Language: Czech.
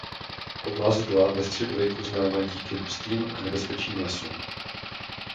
Oblast byla ve středověku známá díky hustým a nebezpečným lesům.